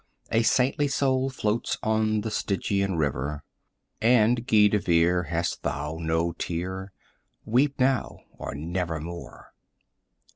a saintly soul floats on the Stygian river; And, Guy De Vere, hast thou no tear? weep now or never more!